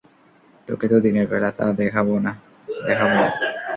তোকে তো দিনের বেলা তারা দেখাবো আমি।